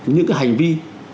những cái hành vi